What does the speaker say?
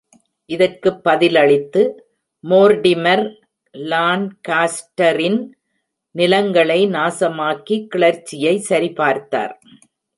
இதற்கு பதிலளித்து, மோர்டிமர் லான்காஸ்டரின் நிலங்களை நாசமாக்கி கிளர்ச்சியை சரிபார்த்தார்.